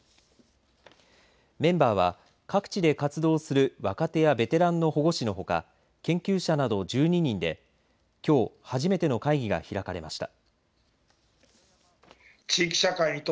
メンバーは各地で活動する若手やベテランの保護司のほか研究者など１２人できょう初めての会議が開かれました。